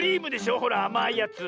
ほらあまいやつ。